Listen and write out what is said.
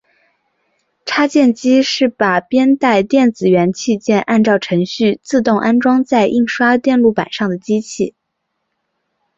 插件机是把编带电子元器件按照程序自动安装在印刷电路板上的机器。